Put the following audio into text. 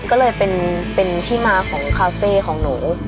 ก็เลยเป็นที่มาของคาเฟ่ของหนู